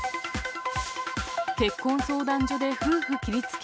結婚相談所で夫婦切りつけ。